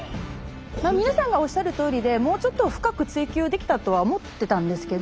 皆さんがおっしゃるとおりでもうちょっと深く追求できたとは思ってたんですけど